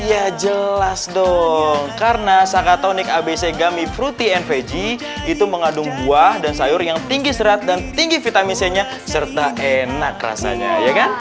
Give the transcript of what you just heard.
ya jelas dong karena sakatonik abcgami fruity and vegy itu mengandung buah dan sayur yang tinggi serat dan tinggi vitamin c nya serta enak rasanya ya kan